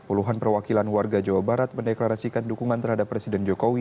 puluhan perwakilan warga jawa barat mendeklarasikan dukungan terhadap presiden jokowi